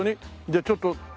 じゃあちょっと。